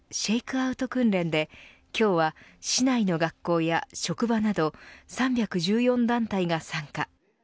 アウト訓練で今日は、市内の学校や職場など３１４団体が参加。